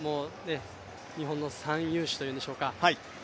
日本の三雄志というのでしょうか。